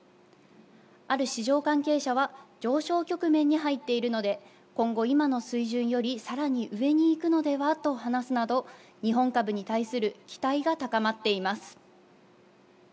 ある市場関係者は上昇局面に入っているので、今後、今の水準よりさらに上に行くのではと話すなど、日本株に対する期待が高まっています。